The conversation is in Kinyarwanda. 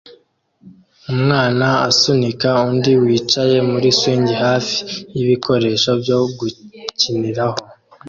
Umwana asunika undi wicaye muri swing hafi y'ibikoresho byo gukiniraho